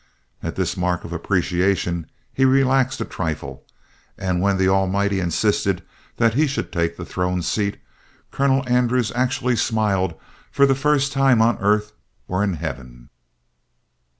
At this mark of appreciation, he relaxed a trifle, and when the Almighty insisted that he should take the throne seat, Colonel Andrews actually smiled for the first time on earth or in heaven.'